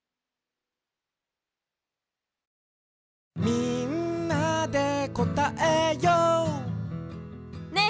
「みんなでこたえよう」ねえ